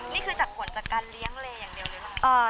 นี่คือจากผลจากการเลี้ยงเลอย่างเดียวหรือเปล่า